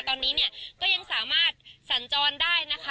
ตอนนี้เนี่ยก็ยังสามารถสัญจรได้นะคะ